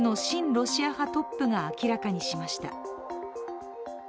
ロシア派トップが明らかにしました。